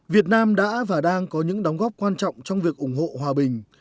việt nam đã và đang có những đóng góp quan trọng trong việc ủng hộ hòa bình